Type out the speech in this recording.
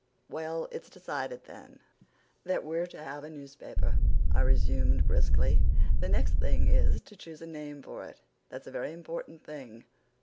"Well, it's decided, then, that we're to have a newspaper," I resumed briskly. "The next thing is to choose a name for it. That's a very important thing."